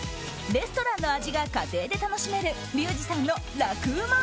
レストランの味が家庭で楽しめるリュウジさんの楽ウマ！